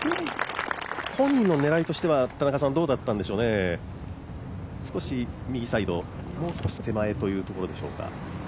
本人の狙いとしてはどうだったんでしょう、少し右サイド、もう少し手前というところでしょうか？